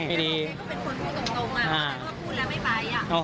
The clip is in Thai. ไม่ดีแต่ตรงนี้ก็เป็นคนพูดตรงมา